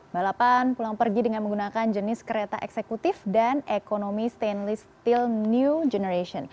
balapan pulang pergi dengan menggunakan jenis kereta eksekutif dan ekonomi stainless steel new generation